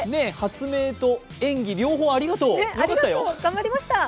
発明と演技両方ありがとう、よかったよ。